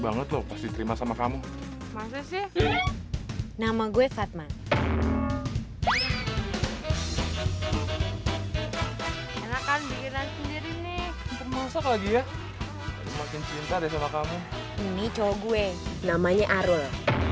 enakan bikin sendiri nih termasuk lagi ya makin cinta sama kamu ini cowok gue namanya arul